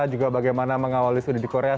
juga bagaimana mengawali studi di korea